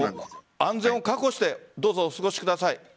安全を確保してどうぞお過ごしください。